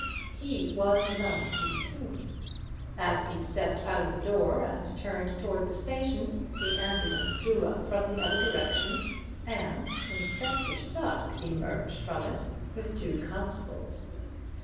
He was none too soon. As he stepped out of the door and turned towards the station, the ambulance drew up from the other direction, and Inspector Sugg emerged from it, with two constables.